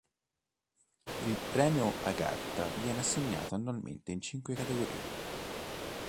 Il premio Agatha viene assegnato annualmente in cinque categorie.